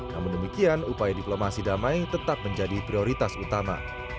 namun demikian upaya diplomasi damai tetap menjadi prioritas utama